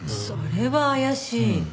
それは怪しい。